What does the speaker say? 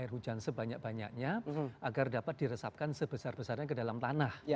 air hujan sebanyak banyaknya agar dapat diresapkan sebesar besarnya ke dalam tanah